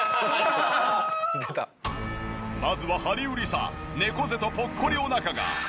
まずはハリウリサ猫背とぽっこりお腹が。